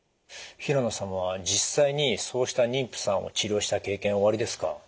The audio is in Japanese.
平野さんは実際にそうした妊婦さんを治療した経験はおありですか？